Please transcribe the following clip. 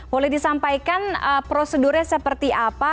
boleh disampaikan prosedurnya seperti apa